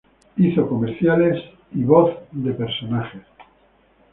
Hizo comerciales y de la voz de personajes.